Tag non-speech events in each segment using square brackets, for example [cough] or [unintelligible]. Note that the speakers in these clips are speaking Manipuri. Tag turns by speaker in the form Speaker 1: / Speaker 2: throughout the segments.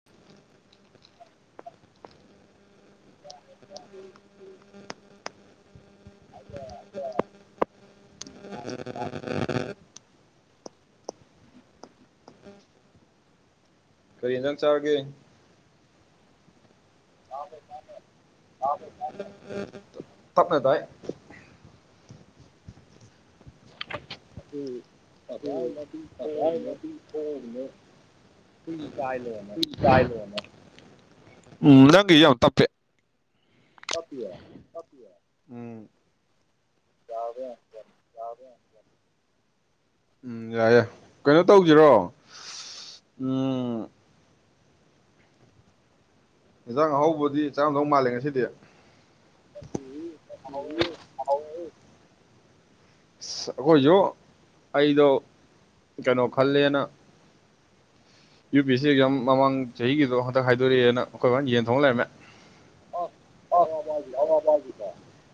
Speaker 1: [inaudible] [inaudible] [unintelligible] [inaudible] ꯀꯔꯤ ꯏꯟꯖꯥꯡ ꯆꯥꯔꯒꯦ꯫
Speaker 2: [unintelligible]
Speaker 1: [unintelligible] ꯇꯞꯅ ꯇꯥꯏ꯫
Speaker 2: [unintelligible]
Speaker 1: [unintelligible]
Speaker 2: ꯍꯨꯏ ꯀꯥꯏ ꯂꯣꯏꯔꯝꯃꯦ꯫
Speaker 1: ꯎꯝ ꯅꯪꯒꯤ ꯌꯥꯝ ꯇꯄꯦ꯫
Speaker 2: ꯇꯞꯄꯤꯌꯦ꯫
Speaker 1: [inaudible]
Speaker 2: [unintelligible]
Speaker 1: [unintelligible] ꯎꯝ ꯌꯥꯏꯌꯦ ꯀꯩꯅꯣ ꯇꯧꯁꯤꯔꯣ ꯎꯝ꯫ ꯌꯦꯟꯖꯥꯡ ꯑꯍꯥꯎꯕꯗꯤ ꯆꯥꯔꯝꯗꯧ ꯃꯥꯜꯂꯦ ꯉꯁꯤꯗꯤ꯫
Speaker 2: [unintelligible]
Speaker 1: ꯑꯩꯈꯣꯏꯁꯨ ꯑꯩꯗꯣ ꯀꯩꯅꯣ ꯈꯜꯂꯦꯅ꯫ U P S C exam ꯃꯃꯥꯡ ꯆꯍꯤꯒꯤꯗꯣ ꯍꯟꯇꯛ ꯍꯥꯏꯗꯣꯔꯛꯑꯦꯅ ꯑꯩꯈꯣꯏ ꯕꯥꯅ ꯌꯦꯟ ꯊꯣꯡ ꯂꯩꯔꯝꯃꯦ꯫
Speaker 2: [unintelligible]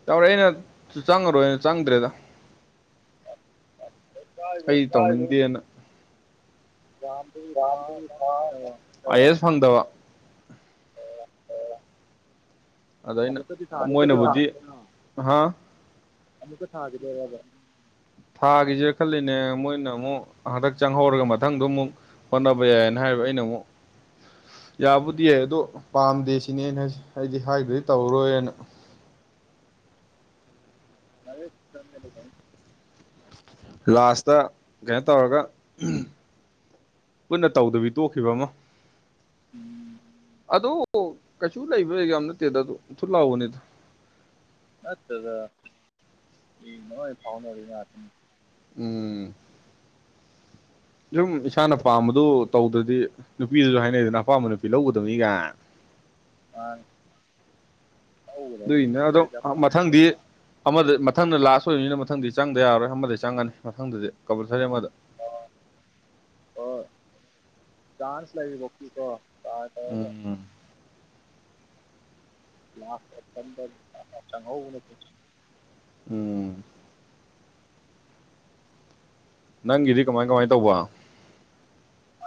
Speaker 1: ꯌꯥꯎꯔꯛꯑꯦ ꯑꯩꯅ ꯆꯪꯉꯔꯣꯏꯅ ꯆꯪꯗ꯭ꯔꯦꯗ꯫ ꯑꯩ ꯇꯧꯅꯤꯡꯗꯦꯅ꯫
Speaker 2: [unintelligible]
Speaker 1: ꯑꯥꯏꯌꯦꯁ ꯐꯪꯗꯕ꯫ ꯑꯗ ꯑꯩꯅ
Speaker 2: ꯑꯃꯨꯛꯀꯗꯤ ꯊꯥꯒꯗꯣꯏꯔꯣ
Speaker 1: ꯃꯣꯏꯅꯕꯨꯗꯤ ꯍꯥ꯫
Speaker 2: ꯑꯃꯨꯛꯀ ꯊꯥꯒꯤꯗꯣꯏꯔꯕ꯫
Speaker 1: ꯊꯥꯒꯤꯁꯦ ꯈꯜꯂꯤꯅꯦ ꯃꯣꯏꯅ ꯑꯃꯨꯛ ꯍꯟꯗꯛ ꯆꯪꯍꯧꯔꯒ ꯃꯊꯪꯗꯣ ꯑꯃꯨꯛ꯫ ꯍꯣꯠꯅꯕ ꯌꯥꯏꯌꯦꯅ ꯍꯥꯏꯔꯤꯕ ꯑꯩꯅ ꯑꯃꯨꯛ꯫ ꯌꯥꯕꯨꯗꯤ ꯌꯥꯏ ꯑꯗꯣ ꯄꯥꯝꯗꯦ ꯁꯤꯅꯦ ꯑꯩꯅ ꯍꯥꯏꯁꯦ ꯑꯩꯗꯤ ꯍꯥꯏꯒꯔꯗꯤ ꯇꯧꯔꯔꯣꯏꯅ꯫
Speaker 2: [unintelligible]
Speaker 1: ꯂꯥꯁꯇ ꯀꯩꯅꯣ ꯇꯧꯔꯒ꯫ ꯄꯨꯟꯅ ꯇꯧꯗꯕꯤ ꯇꯣꯛꯈꯤꯕ ꯑꯃ꯫
Speaker 2: ꯎꯝ꯫
Speaker 1: ꯑꯗ ꯀꯩꯁꯨ ꯂꯩꯕ ꯑꯦꯖꯥꯝ ꯅꯠꯇꯦꯗ ꯑ ꯊꯨꯠ ꯂꯥꯛꯕꯅꯤꯗ
Speaker 2: ꯅꯠꯇꯗ ꯏ ꯅꯣꯏ ꯐꯥꯎꯅꯔꯤ ꯉꯥꯛꯇꯅꯤ
Speaker 1: ꯎꯝ ꯁꯨꯝ ꯏꯁꯥꯅ ꯄꯥꯝꯕꯗꯨ ꯇꯧꯗ꯭ꯔꯗꯤ ꯅꯨꯄꯤꯗꯨꯁꯨ ꯍꯥꯏꯅꯩꯗꯅ ꯑꯄꯥꯝꯕ ꯅꯨꯄꯤ ꯂꯧꯒꯗꯕꯅꯤꯒ
Speaker 2: ꯃꯅꯤ
Speaker 1: ꯑꯗꯨꯏꯅ ꯑꯗꯣ ꯃꯊꯪꯗꯤ ꯑꯃꯗ ꯃꯊꯪꯗ ꯂꯥꯁ ꯑꯣꯏꯕꯅꯤꯅ ꯃꯊꯪꯗꯤ ꯆꯪꯗ ꯌꯥꯔꯣꯏ ꯑꯃꯗ ꯆꯪꯉꯅꯤ ꯃꯊꯪꯗꯗꯤ ꯀꯝꯄꯜꯁꯔꯤ ꯑꯃꯗ꯫
Speaker 2: ꯑ ꯑꯣ ꯆꯥꯟꯁ ꯂꯩꯔꯤꯕꯥꯎꯗꯤ ꯀꯣ꯫ [unintelligible]
Speaker 1: ꯎꯝ
Speaker 2: ꯂꯥꯁ ꯑꯣꯕꯁꯟꯗ ꯆꯪꯍꯧꯕꯅ ꯐꯩ
Speaker 1: ꯎꯝ꯫ ꯅꯪꯒꯤꯗꯤ ꯀꯃꯥꯏ ꯀꯃꯥꯏꯅ ꯇꯧꯕ꯫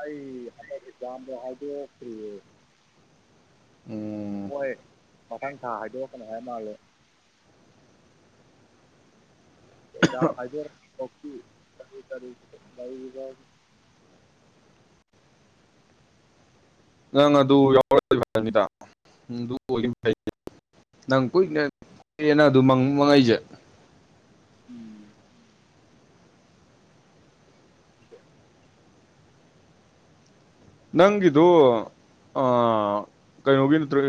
Speaker 2: ꯑꯩ ꯍꯟꯗꯛ ꯑꯦꯛꯖꯥꯝꯗꯣ ꯍꯥꯏꯗꯣꯛ꯭ꯔꯤꯌꯦ
Speaker 1: ꯎꯝ
Speaker 2: ꯍꯣꯏ ꯃꯊꯪ ꯊꯥ ꯍꯥꯏꯗꯣꯛꯛꯀꯅꯤ ꯍꯥꯏ ꯃꯥꯜꯂꯦ ꯑꯦꯖꯥꯝ ꯍꯥꯏꯖꯔ ꯇꯔꯤ
Speaker 1: ꯅꯪ ꯑꯗꯨ ꯌꯥꯎꯔꯗꯧꯅꯤꯗ ꯑꯗꯨ ꯑꯣꯏ ꯅꯪ ꯀꯨꯏꯅ ꯀꯦꯅ ꯑꯗꯨ ꯃꯪ ꯃꯉꯩꯁꯦ
Speaker 2: ꯎꯝ
Speaker 1: ꯅꯪꯒꯤꯗꯣ ꯀꯩꯅꯣꯒꯤ ꯅꯠꯇ꯭ꯔ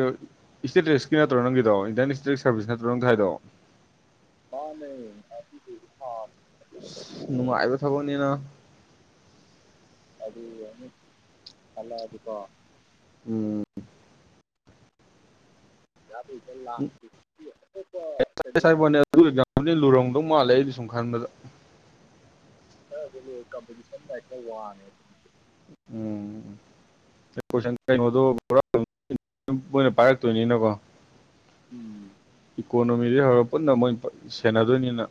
Speaker 1: ꯏꯁꯇꯦꯇꯦꯛꯁꯀꯤ ꯅꯠꯇ꯭ꯔꯣ ꯅꯪꯗꯣ ꯏꯟꯗꯤꯌꯥꯟ ꯏꯁꯇꯠꯁ ꯁꯥꯔꯚꯤꯁ ꯅꯠꯇ꯭ꯔꯣ ꯅꯪ ꯁ ꯍꯥꯏꯗꯣ
Speaker 2: ꯃꯥꯅꯦꯥ
Speaker 1: ꯅꯅꯨꯡꯉꯥꯏꯕ ꯊꯕꯛꯅꯤꯅ
Speaker 2: ꯑꯗꯨ ꯈꯜꯂꯛꯑꯗꯤꯀꯣ
Speaker 1: ꯎꯝ
Speaker 2: UNINTELLIGIBLE
Speaker 1: ꯗꯤ ꯂꯨꯔꯣꯡꯗꯧ ꯃꯥꯜꯂꯦ ꯑꯩꯗꯤ ꯁꯨꯝ ꯈꯟꯕꯗ
Speaker 2: UNINTELLIGIBLE ꯀꯝꯇꯤꯁꯟ
Speaker 1: ꯎꯝ UNINTELLIGIBLE ꯀꯩꯅꯣꯗꯣ ꯃꯣꯏꯅ ꯄꯥꯏꯔꯛꯇꯣꯏꯅꯤꯅꯀꯣ
Speaker 2: ꯎꯝ
Speaker 1: ꯏꯀꯣꯅꯣꯃꯤꯗꯩ ꯍꯧꯔꯒ ꯄꯨꯟꯅ ꯃꯣꯏ ꯁꯦꯟꯅꯗꯣꯏꯅꯤꯅ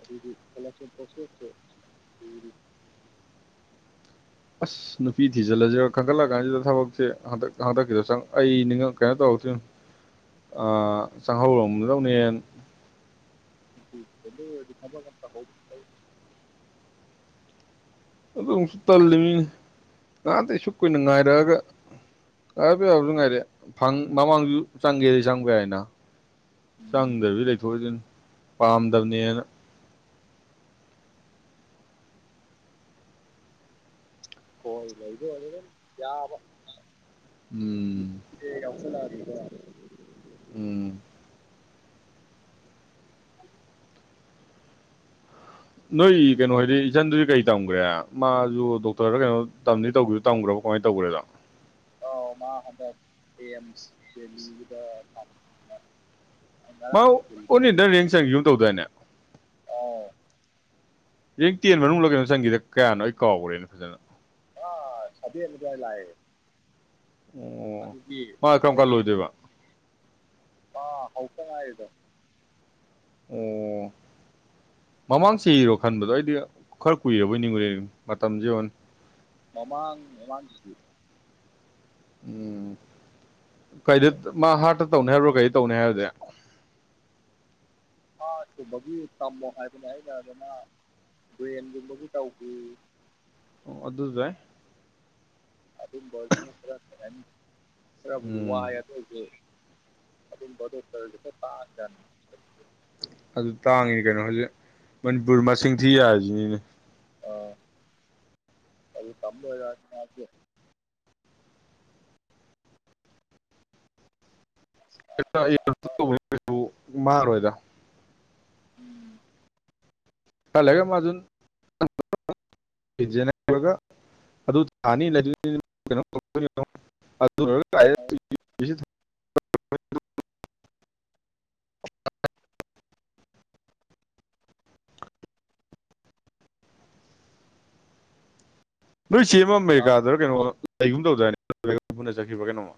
Speaker 2: ꯑꯗꯤ ꯆꯂ ꯆꯄꯁꯦꯁꯦ
Speaker 1: ꯑꯁ ꯅꯨꯄꯤ ꯊꯤꯖꯤꯜꯂꯁꯤꯔꯥ ꯈꯟꯒꯠꯂꯛ ꯀꯥꯟꯁꯤꯗ ꯊꯕꯛꯁꯦ ꯍꯟꯗꯛ ꯍꯟꯗꯛꯀꯤꯗꯣ ꯆꯪ ꯑꯩꯅꯤꯉꯛ ꯀꯩꯅꯣ ꯇꯧꯔꯁꯤꯣꯏꯅ ꯆꯪꯍꯧꯔꯗꯧꯅꯦ
Speaker 2: ꯎꯗꯤ ꯍ
Speaker 1: ꯑꯗꯨꯁꯨ ꯇꯜꯂꯤꯅꯤ ꯉꯇꯩ ꯑꯁꯨ ꯀꯨꯏꯅ ꯉꯥꯏꯔꯛꯑꯒ ꯀꯥꯏꯕ ꯌꯥꯕꯁꯨ ꯉꯥꯏꯔꯦ ꯃꯃꯥꯡꯁꯨ ꯆꯪꯒꯦꯗꯤ ꯆꯪꯕ ꯀꯏ ꯍꯥꯏꯅ ꯆꯪꯗ꯭ꯔꯕꯤ ꯂꯩꯊꯣꯛꯑꯏꯁꯤꯅ ꯄꯥꯝꯗꯕꯅꯦꯅ
Speaker 2: ꯍꯣꯏ ꯂꯩ ꯌꯥꯕ
Speaker 1: ꯎꯝ
Speaker 2: ꯀꯥꯎꯁꯂ ꯑꯗꯨꯗ
Speaker 1: ꯎꯝ ꯅꯣꯏ ꯀꯩꯅꯣ ꯍꯥꯏꯗꯤ ꯏꯆꯟꯗꯨꯗꯤ ꯀꯩ ꯇꯝꯒ꯭ꯔꯦ ꯃꯥꯁꯨ ꯗꯣꯛꯇꯔꯗ ꯀꯩꯅꯣ ꯇꯝꯅꯤ ꯇꯧꯗ ꯇꯝꯈ꯭ꯔꯕ ꯀꯃꯥꯏꯅ ꯇꯧ꯭ꯔꯦꯗ
Speaker 2: ꯑꯥꯎ ꯃꯥ ꯍꯟꯗꯛ ꯑꯦꯝꯁ ꯗꯦꯜꯂꯤꯒꯤꯗ ꯊ
Speaker 1: ꯃꯥ ꯑꯣꯟ ꯏꯟꯗꯔ ꯔꯌꯦꯡ ꯆꯪꯁꯨꯝ ꯇꯧꯗꯣꯏꯏꯅꯦ
Speaker 2: ꯑꯣꯥꯎ
Speaker 1: ꯍꯌꯦꯡ ꯇꯦꯟ ꯃꯅꯨꯡꯗꯂ ꯀꯩꯅꯣ ꯆꯪꯈꯤꯗ ꯀꯌꯥꯅꯣ ꯑꯩ ꯀꯥꯎꯈ꯭ꯔꯦꯅ ꯐꯖꯅ
Speaker 2: ꯑ ꯁ ꯑꯖ ꯂ
Speaker 1: ꯑꯣ ꯃꯥ ꯀꯔꯝ ꯀꯜꯂꯣꯏꯗꯣꯏꯕ
Speaker 2: ꯑꯥ ꯍꯧꯄꯥꯏꯗꯣ
Speaker 1: ꯑꯣ ꯃꯃꯥꯡꯁꯤ ꯏꯔꯣ ꯈꯟꯕꯗꯣ ꯑꯩꯗꯤ ꯈꯔ ꯀꯨꯏꯔꯕꯣꯏ ꯅꯤꯡꯉꯨꯨꯔꯦ ꯃꯇꯝꯁꯤꯦ ꯌ
Speaker 2: ꯃꯃꯥꯡ ꯃꯃꯥꯡ ꯤꯠ
Speaker 1: ꯎꯝ ꯀꯩꯗ ꯃꯥ ꯍꯥꯔꯠꯇ ꯇꯧꯅꯤ ꯍꯥꯏꯕ꯭ꯔꯣ ꯀꯩꯗ ꯇꯧꯅꯤ ꯍꯥꯏꯕꯗꯤ
Speaker 2: ꯍꯥꯥꯔꯠ ꯀꯨꯝꯕꯒꯤ ꯇꯝꯃꯣ ꯍꯥꯏꯕꯅꯦ ꯍꯥꯏꯇꯥꯔꯗꯅ ꯕ꯭ꯔꯦꯟꯒꯨꯝꯕꯕꯨ ꯇꯧꯈꯤ
Speaker 1: ꯑꯣ ꯑꯗꯨ ꯑꯗꯨꯦ
Speaker 2: ꯑꯗꯨꯝ ꯇ ꯇꯔ
Speaker 1: ꯎꯝ
Speaker 2: ꯔꯨꯋꯥ ꯑꯗꯨ ꯇꯔ ꯄꯥꯔꯅꯤ
Speaker 1: ꯑꯗꯨ ꯇꯥꯡꯉꯤꯅꯤ ꯀꯩꯅꯣ ꯍꯧꯖꯤꯛ ꯃꯅꯤꯄꯨꯔ ꯃꯁꯤꯡ ꯊꯤ ꯌꯥꯔꯤꯁꯤꯅꯤꯅꯦ
Speaker 2: ꯑꯥ ꯑꯗꯨ ꯇꯝꯕ ꯂꯥ
Speaker 1: ꯑꯦ ꯃꯥꯔꯣꯏꯗ ꯈꯔꯥ ꯂꯩꯔꯥ ꯃꯁꯨ [unintelligible] ꯑꯗꯨ ꯊꯥꯅꯤ [unintelligible] ꯅꯣꯏ ꯆꯦ ꯑꯃ ꯑꯃꯦꯔꯤꯀꯥꯗꯔ ꯀꯩꯅꯣ ꯂꯩꯒꯨꯝ ꯇꯧꯗꯥꯏꯅ‌ꯦ [unintelligible] ꯄꯨꯟꯅ ꯆꯠꯈꯤꯕ꯭ꯔꯥ ꯀꯩꯅꯣꯃ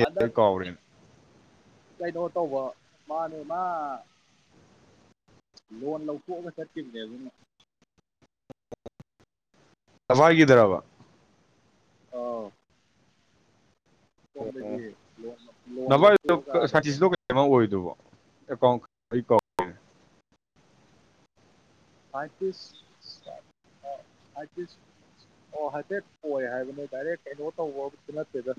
Speaker 2: ꯍꯟꯗꯛ
Speaker 1: ꯀꯥꯎꯈꯔ‌ꯦ
Speaker 2: ꯀꯩꯅꯣ ꯇꯧꯕ ꯃꯥꯅꯦ ꯃꯥ ꯂꯣꯟ ꯂꯧꯊꯣꯛꯑꯒ ꯆꯠꯈꯤꯗ꯭ꯔ‌ꯦ ꯑꯗꯨꯅ
Speaker 1: ꯀꯋꯥꯏꯒꯤꯗꯔ‌ꯣ
Speaker 2: ꯑꯥꯎ ꯁꯣꯝꯗꯒꯤ ꯂꯣꯟ ꯂꯣꯟ ꯂꯧꯊꯣꯛꯑꯒ ꯑꯥꯗ
Speaker 1: ꯀꯩꯅꯣ ꯑꯣꯏꯗꯣ ꯑꯦꯀꯥꯎ ꯑꯩ
Speaker 2: ꯄꯆꯤꯁ ꯑꯥꯇꯤꯁ ꯑꯣ ꯍꯥꯏꯐꯦꯠ ꯑꯣꯏ ꯍꯥꯏꯕꯅꯦ ꯗꯥꯏꯔꯦꯛ ꯀꯩꯅꯣ ꯇꯧꯕꯇ ꯅꯠꯇꯦꯗ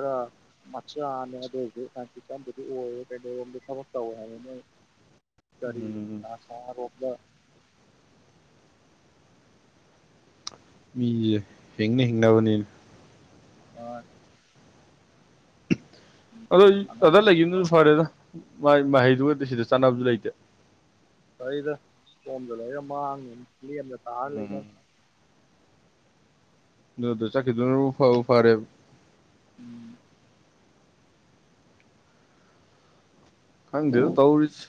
Speaker 2: ꯑ ꯃꯆꯥꯅꯦ ꯑꯗꯨ ꯑꯣꯏ ꯁꯟꯇꯤ ꯆꯟꯕꯗꯤ ꯑꯣꯏꯔꯦ ꯀꯩꯅꯣꯔꯣꯝꯗꯤ ꯊꯕꯛ ꯇꯧꯋꯦ ꯍꯥꯏꯕ ꯅꯣꯏ ꯀꯔꯤ
Speaker 1: ꯎꯝ
Speaker 2: ꯔꯣꯕꯂ
Speaker 1: ꯃꯤꯦ ꯍꯤꯡꯅ ꯍꯤꯡꯅꯕꯅꯕꯅꯤ
Speaker 2: ꯑꯣ
Speaker 1: ꯑꯗꯣ ꯑꯗꯥ
Speaker 2: ꯑꯉꯝꯕꯅꯤ
Speaker 1: ꯂꯩꯈꯤꯕꯗꯨꯁꯨ ꯐꯔꯦꯗ ꯃꯍꯩꯗꯨꯒꯗꯤ ꯁꯤꯗ ꯆꯥꯟꯅꯕꯁꯨ ꯂꯩꯇꯦ
Speaker 2: ꯐꯩꯗ ꯁ‌ꯣꯝꯗ ꯂꯩꯔꯒ ꯃꯥꯡꯅꯕꯅꯤ ꯂꯦꯝꯅ ꯊꯥꯔꯒ ꯂꯩꯅ
Speaker 1: ꯎꯝ ꯑꯗꯨꯗ ꯆꯠꯈꯤ ꯗꯨꯅꯕꯨ ꯐꯕꯨ ꯐꯔꯦꯗ
Speaker 2: ꯎꯝ
Speaker 1: ꯈꯪꯗꯦꯗꯥ ꯇꯧꯔꯤꯁꯤ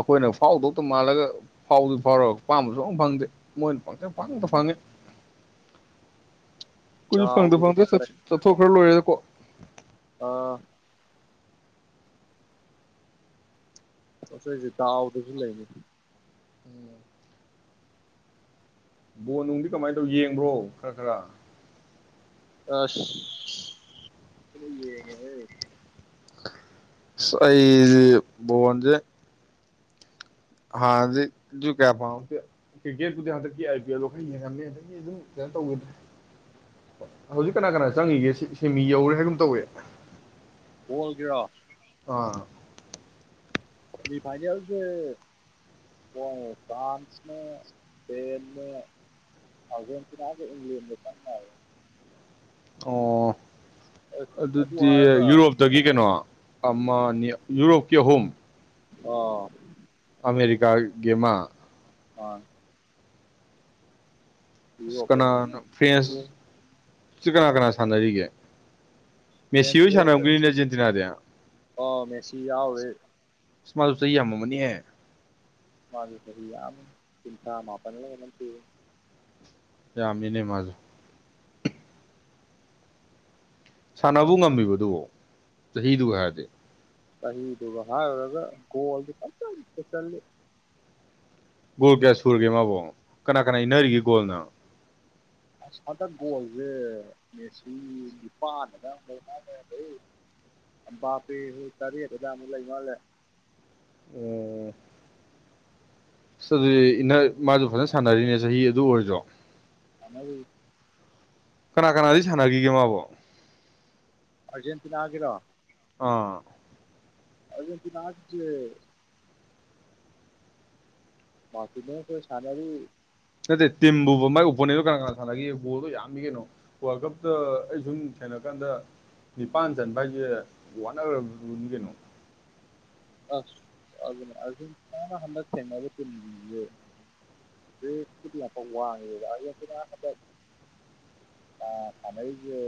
Speaker 1: ꯑꯩꯈꯣꯏꯅ ꯐꯥꯎꯗꯧꯗ ꯃꯥꯜꯂꯒ ꯐꯥꯎꯗꯨ ꯐꯥꯎꯔꯒ ꯄꯥꯝꯕꯁꯨ ꯑꯃ ꯐꯪꯗꯦ ꯃꯣꯏꯅ ꯐꯦ ꯄꯐꯪ ꯇ ꯐꯪꯉꯦ ꯈ‌ꯣꯏꯁꯨ ꯐꯪꯗ
Speaker 2: ꯗꯥꯎꯗꯨꯁꯨ
Speaker 1: ꯐꯪꯗꯔꯒ
Speaker 2: ꯈꯔ
Speaker 1: ꯆꯠ
Speaker 2: ꯂꯩ
Speaker 1: ꯆꯠꯊꯣꯛꯈ꯭ꯔ ꯂꯣꯏꯔꯦꯗ ꯀꯣꯛ
Speaker 2: ꯑꯥ ꯑꯁꯣꯏꯁꯦ ꯗꯥꯎꯗꯁꯨ ꯂꯩꯔ‌ꯦꯗ
Speaker 1: ꯗꯤ ꯀꯃꯥꯏꯅ ꯇꯧ ꯌꯦꯡꯕ꯭ꯔꯣ ꯈꯔ ꯈꯔ
Speaker 2: ꯑꯁ ꯌ‌ꯦꯡꯌ‌ꯦꯍ‌ꯦ
Speaker 1: ꯑꯁ ꯑꯩꯁ‌ꯦ ꯕ‌ꯣꯜ ꯖ‌ꯦ ꯍꯟꯅꯗꯤ ꯗꯨꯏ ꯀꯌꯥ ꯐꯪꯍꯧꯗꯦ ꯀ꯭ꯔꯤꯀꯦꯠꯄꯨꯗꯤ ꯍꯟꯗꯛꯀꯤ ꯑꯥꯏ ꯄꯤ ꯑꯦꯜ ꯗꯣ ꯈꯔ ꯌꯦꯡꯉꯝꯃꯦ ꯑꯗꯩꯗꯤ ꯑꯗꯨꯝ ꯀꯩꯅꯣ ꯇꯧꯈꯤꯗ꯭ꯔꯦ ꯍꯧꯖꯤꯛ ꯀꯅꯥ ꯀꯅꯥ ꯆꯪꯉꯤꯒꯦ ꯁꯤ ꯁꯤꯃꯤ ꯌꯧꯔꯦ ꯍꯥꯏꯒꯨꯝ ꯇꯧꯌꯦ
Speaker 2: ꯕꯣꯜ ꯒꯤꯔꯣ
Speaker 1: ꯑꯥ
Speaker 2: ꯁꯦꯃꯤ ꯐꯥꯏꯅ‌ꯦꯜ ꯁ‌ꯦ [unintelligible] ꯑꯔꯖꯦꯟꯇꯤ ꯅꯒ ꯏꯪꯪꯂꯦꯟꯒꯥ ꯆꯞ ꯃꯥꯅꯅꯥ
Speaker 1: ꯑꯣ
Speaker 2: ꯑꯗꯨ
Speaker 1: ꯑꯗꯨꯗꯤ
Speaker 2: ꯍꯥꯏꯔꯒ
Speaker 1: ꯌꯨꯔꯣꯞꯇꯒꯤ ꯀꯩꯅꯣ ꯑꯃꯅꯤ ꯌꯨꯔꯣꯞꯀꯤ ꯑꯍꯨꯝ
Speaker 2: ꯑꯥ
Speaker 1: ꯑꯃꯦꯔꯤꯀꯥꯒꯤ ꯑꯃ
Speaker 2: ꯑ
Speaker 1: ꯑꯁ
Speaker 2: ꯌꯨꯔꯣꯞ
Speaker 1: ꯀꯅꯥꯅꯥ ꯐꯔ꯭ꯦꯟ
Speaker 2: ꯂꯩ
Speaker 1: ꯍꯧꯖꯤꯛ ꯀꯅꯥ ꯀꯅꯥ ꯁꯥꯟꯅꯔꯤꯒꯦ ꯃꯦꯁꯤ ꯍꯣꯏ ꯁꯥꯟꯅꯔꯝꯈꯤꯅꯤꯅꯦ ꯑꯔꯖꯦꯟꯇꯤꯅꯥꯗ
Speaker 2: ꯑ ꯃꯦꯁꯤ ꯌꯥꯎꯋꯦ
Speaker 1: ꯏꯁ ꯃꯥꯁꯨ ꯆꯍꯤ ꯌꯥꯝꯃꯝ ꯃꯅꯤꯍꯦ
Speaker 2: ꯃꯥꯒꯤ ꯆꯍꯤ ꯌꯥꯝꯃꯤ ꯀꯨꯟꯊꯔꯥ ꯃꯄꯟ ꯂꯥ ꯀꯩꯅꯣꯝ ꯁꯨ
Speaker 1: ꯐꯥꯅꯥ ꯌꯥꯝꯃꯤꯅꯦ ꯃꯁꯨ ꯁꯥꯟꯅꯕꯕꯨ ꯉꯝꯃꯤꯕꯣ ꯗꯨꯕꯨ ꯆꯍꯤꯗꯨꯒ ꯍꯥꯏꯔꯗꯤ
Speaker 2: ꯆꯍꯤꯗꯨꯒ ꯍꯥꯏꯥꯡꯔꯨꯔꯒ ꯒꯣꯜꯗꯨ ꯐ ꯆ
Speaker 1: ꯒꯣꯜ ꯀꯌꯥ ꯁꯨꯔꯒꯦ ꯃꯥꯕꯨꯣ ꯀꯅꯥ ꯀꯅꯥ ꯏꯅꯔꯤꯒꯦ ꯒꯣꯜꯅꯣ
Speaker 2: ꯑꯁꯥꯗ ꯒꯣꯜꯁꯦ ꯃꯦꯁꯤ ꯅꯤꯄꯥꯟꯅꯒ ꯂꯩ ꯃꯥꯅꯦ ꯑꯩ ꯄꯥꯄꯤꯁꯨ ꯇꯔꯦꯠ ꯈꯨꯗꯥꯃꯨꯛ ꯂꯩ ꯃꯥꯜꯂꯦ
Speaker 1: ꯑꯣꯝ ꯑꯗꯨꯗꯤ ꯏꯟꯅ ꯃꯥꯁꯨ ꯐꯖꯅ ꯁꯥꯟꯅꯔꯤꯅꯦ ꯆꯍꯤ ꯑꯗꯨ ꯑꯣꯏꯔꯗꯣ
Speaker 2: ꯑ
Speaker 1: ꯀꯅꯥ ꯀꯅꯥꯗꯒꯤ ꯁꯥꯟꯅꯈꯤꯒꯦ ꯃꯥꯕꯣ
Speaker 2: ꯑꯔꯖꯦꯟꯇꯤꯅꯥꯒꯤꯔꯣ
Speaker 1: ꯑꯥ
Speaker 2: ꯑꯔꯖꯦꯟꯇꯤꯅꯥ ꯁꯦ ꯃꯜꯇꯤꯅꯦꯟ ꯈꯣꯏ ꯁꯟꯅꯔꯤ
Speaker 1: ꯅꯠꯇꯦ ꯇꯤꯝꯕꯨꯕ ꯃꯒꯤ ꯑꯣꯄꯣꯅꯦꯟꯗꯣ ꯀꯅꯥ ꯀꯅꯥ ꯁꯥꯟꯅꯈꯤꯒꯦ ꯕꯣꯜꯗꯣ ꯌꯥꯝꯃꯤ ꯀꯩꯅꯣ ꯋꯥꯔꯜ ꯀꯞꯇ ꯑꯩ ꯁꯨꯝ ꯊꯦꯡꯅ ꯀꯥꯟꯗ ꯅꯤꯄꯥꯟ ꯆꯟꯕ ꯍꯥꯏꯁꯦ ꯋꯥꯠꯅꯔꯝꯈꯤꯅꯤ ꯀꯩꯅꯣ
Speaker 2: ꯑꯁ ꯑꯗꯨꯅꯤ ꯑꯥꯔꯖꯦꯟꯇꯤ ꯅꯅꯥ ꯍꯟꯗꯛ ꯊꯦꯡꯅꯩ ꯇꯤꯝ ꯁꯨꯡꯁꯤꯗꯤ ꯗꯦꯁꯨꯗꯤ ꯌꯥꯝꯐꯛ ꯋꯥꯡꯉꯦꯕꯈꯣꯏ ꯑ ꯁꯅꯒꯤꯦ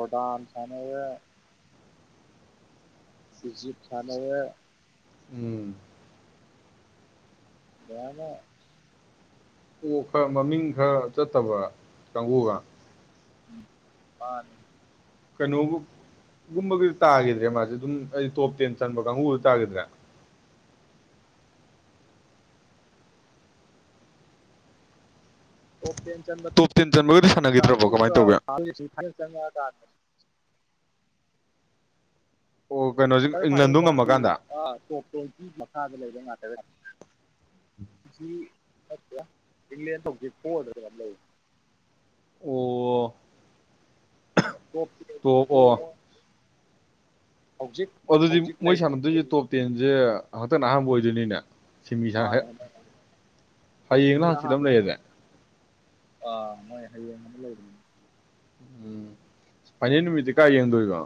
Speaker 2: ꯣꯗꯥꯥꯟ ꯁꯅ ꯖꯤꯞ ꯁ
Speaker 1: ꯎꯝ
Speaker 2: ꯌꯥꯅꯦ
Speaker 1: ꯑꯣ ꯈꯔ ꯃꯃꯤꯡ ꯈꯔ ꯆꯠꯇꯕ ꯀꯥꯡꯕꯨꯒ
Speaker 2: ꯃꯥ
Speaker 1: ꯀꯩꯅꯣꯒꯒꯨꯝꯕꯒꯤꯗꯤ ꯇꯥꯈꯤꯗ꯭ꯔꯦ ꯃꯥꯁꯦ ꯑꯗꯨꯝ ꯑꯩ ꯇꯣꯞ ꯇꯦꯟ ꯆꯟꯕ ꯀꯥꯡꯕꯨꯗ ꯇꯥꯈꯤꯗ꯭ꯔꯥ
Speaker 2: ꯑꯣꯣꯦꯟꯁꯟ
Speaker 1: ꯇꯣꯞ ꯇꯦꯟ ꯆꯟꯕꯒꯗꯤ
Speaker 2: ꯊꯪ
Speaker 1: ꯁꯥꯟꯅꯈꯤꯗ꯭ꯔꯕꯣ ꯀꯃꯥꯏꯅ ꯇꯧꯒꯦ ꯑꯣ ꯀꯩꯅꯣ
Speaker 2: ꯋꯥꯇꯔꯐ꯭ꯂꯥꯏ ꯕꯣꯛꯁꯤ ꯇꯣꯞ ꯇ꯭ꯋꯦꯟꯇꯤ ꯃꯈꯥꯗ ꯂꯩꯕ ꯉꯥꯛꯇꯕ꯭ꯔꯥ ꯏꯡꯂꯦꯟ ꯍꯧꯖꯤꯛ ꯐꯣꯔꯗ ꯑꯗꯨꯃꯥꯏꯅ ꯂꯩꯔꯤ
Speaker 1: ꯑꯣ
Speaker 2: ꯑꯣ
Speaker 1: ꯑꯣ ꯑꯗꯨꯗꯤ
Speaker 2: ꯍꯧꯖꯤꯛ
Speaker 1: ꯃꯣꯏ
Speaker 2: ꯂꯩꯔꯤ
Speaker 1: ꯁꯥꯟꯅꯗꯣꯏꯁꯦ ꯇꯣꯞ ꯇꯦꯟꯁꯦ ꯍꯇꯅ ꯑꯍꯥꯟꯕ ꯑꯣꯏꯗꯣꯏꯅꯤꯅꯦ ꯁꯤꯟꯃꯤꯁꯥꯡ
Speaker 2: ꯃꯥꯅꯦ
Speaker 1: ꯍꯦꯛ
Speaker 2: ꯍꯟꯗꯛ
Speaker 1: ꯍꯌꯦꯡꯅ
Speaker 2: ꯁꯦꯃꯤꯗꯅ
Speaker 1: ꯍꯪꯆꯤꯠ
Speaker 2: ꯑꯍꯥꯟ
Speaker 1: ꯑꯃ ꯂꯩꯌꯦꯅꯦ
Speaker 2: ꯑꯥ ꯃꯣꯏ ꯍꯌꯦꯡ ꯑꯃ ꯂꯩꯔꯤꯅꯦ
Speaker 1: ꯎꯝ ꯄ ꯅꯨꯃꯤꯠꯇꯀꯥꯏ ꯌꯦꯡꯗꯣꯣꯏꯕꯣ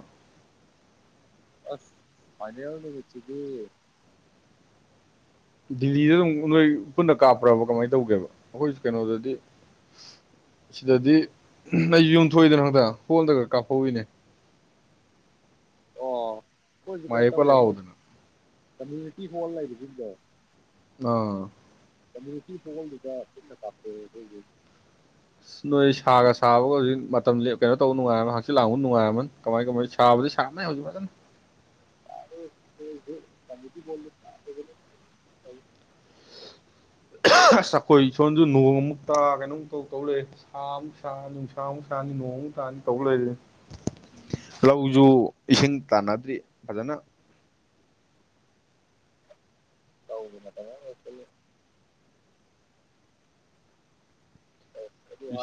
Speaker 2: ꯑꯁ ꯐꯅꯦꯎꯉꯁꯤꯗꯤ
Speaker 1: ꯗꯤꯜꯂꯤꯗ ꯑꯗꯨꯝ ꯅꯣꯏ ꯄꯨꯟꯅ ꯀꯥꯞꯄ꯭ꯔꯕ ꯀꯃꯥꯏꯅ ꯇꯧꯒꯦꯕ ꯑꯩꯈꯣꯏ ꯀꯩꯅꯣꯗꯗꯤ ꯁꯤꯗꯗꯤ ꯑꯩ ꯌꯨꯝꯊꯣꯛꯏꯗꯅ ꯍꯛꯇ ꯍꯣꯟꯗꯒ ꯀꯥꯞꯍꯧꯏꯅꯦ
Speaker 2: ꯑꯣ ꯑꯩꯈꯣꯏꯁꯨ ꯀꯩꯅ
Speaker 1: ꯃꯥꯌꯦꯞꯀ
Speaker 2: ꯇꯧꯋꯦ ꯃꯣꯏ
Speaker 1: ꯂꯥꯎꯗꯅ
Speaker 2: ꯀꯝꯃ꯭ꯌꯨꯅꯤꯇꯤ ꯍꯣꯜ ꯂꯩꯕꯁꯤꯡꯗꯣ
Speaker 1: ꯑꯥ
Speaker 2: ꯀꯝꯃꯨꯅꯤꯇꯤ ꯍꯣꯜꯗꯨꯗ ꯆꯅ ꯀꯥꯞꯊꯣꯛ ꯑꯩꯈꯣꯏꯒꯤ
Speaker 1: ꯅꯣꯏ ꯁꯥꯒ ꯁꯥꯕꯒ ꯍꯧꯖꯤꯛ ꯃꯇꯝ ꯀꯩꯅꯣ ꯇꯧꯕ ꯅꯨꯡꯉꯥꯏꯔꯝꯃꯅꯤ ꯍꯆꯤꯠꯥꯡꯕꯨ ꯅꯨꯡꯉꯥꯏꯔꯝꯃꯅꯤ ꯀꯃꯥꯏ ꯀꯃꯥꯏꯅ ꯁꯥꯕꯗꯤ ꯁꯥꯕꯅꯤ ꯍꯧꯖꯤꯛ ꯐꯖꯅ
Speaker 2: ꯀꯃꯤꯇꯤꯣ
Speaker 1: ꯑꯁ ꯑꯩꯈꯣꯏ ꯏꯁꯣꯟꯁꯨ ꯅꯣꯡ ꯑꯃꯨꯛꯇ ꯀꯩꯅꯣꯝ ꯇꯧ ꯇꯧꯔꯑꯦ ꯁꯥ ꯑꯃꯨꯛ ꯁꯥ ꯅꯨꯡꯁꯥꯃꯨꯛ ꯁꯥꯅꯤ ꯅꯣꯡꯃꯨꯛ ꯇꯥꯅꯤ ꯇꯧ ꯂꯩꯔꯤꯦ ꯂꯧꯁꯨꯨ ꯏꯁꯤꯡ ꯇꯥꯟꯅꯗ꯭ꯔꯤ ꯐꯖꯅ
Speaker 2: ꯇꯧꯧꯕꯅꯠꯇꯃꯦ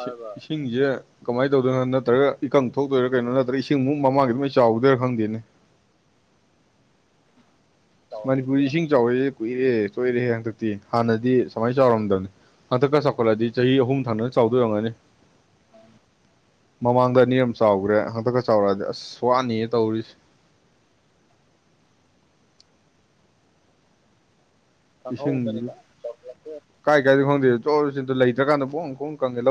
Speaker 1: ꯁꯤꯡ ꯏꯁꯤꯡꯁꯦ ꯀꯃꯥꯏꯅ ꯇꯧꯗꯣꯏꯅꯣ ꯅꯠꯇ꯭ꯔꯒ ꯏꯀꯪ ꯊꯣꯛꯇꯣꯏꯔꯥ ꯀꯩꯅꯣ ꯅꯠꯇ꯭ꯔꯒ ꯏꯁꯤꯡꯃꯛ ꯃꯃꯥꯡꯒꯤ ꯑꯗꯨꯃꯥꯏ ꯆꯥꯎꯒꯗꯣꯏꯔꯥ ꯈꯪꯗꯦꯅꯦ ꯃꯅꯤꯄꯨꯔꯗꯤ ꯏꯁꯤꯡ ꯆꯥꯎꯔꯦꯦ ꯀꯨꯏꯔꯦ ꯆꯣꯏꯔꯦ ꯍꯟꯗꯛꯇꯤ ꯍꯥꯟꯅꯗꯤ ꯁꯨꯃꯥꯏꯅ ꯆꯥꯎꯔꯝꯗꯕꯅꯤ ꯍꯟꯗꯛꯀ ꯆꯥꯎꯈꯠꯂꯗꯤ ꯆꯍꯤ ꯑꯍꯨꯝ ꯊꯥꯟꯅꯅ ꯆꯥꯎꯗꯣꯏꯔꯒꯅꯤ
Speaker 2: ꯑ
Speaker 1: ꯃꯃꯥꯡꯗ ꯑꯅꯤꯔꯛ ꯑꯃꯥ ꯆꯥꯎꯈ꯭ꯔꯦ ꯍꯟꯇꯛꯀ ꯆꯥꯎꯔꯛꯑꯗꯤ ꯑꯁ ꯋꯥꯅꯤꯌꯦ ꯇꯧꯔꯤꯁꯦ
Speaker 2: ꯈꯪꯍꯧꯗꯅ
Speaker 1: ꯏꯁꯤꯡꯁꯤ ꯀꯥꯏ ꯀꯥꯏꯗꯣ ꯈꯪꯗꯦ ꯆꯣ ꯆꯗꯨ ꯂꯩꯇ꯭ꯔꯀꯥꯟꯗ ꯕꯣꯡ ꯈꯣꯡ ꯀꯪꯉꯦ ꯂꯧ